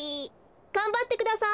がんばってください！